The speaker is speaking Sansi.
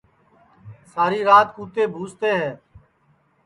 ساری رات کُتے بھوکتے ہے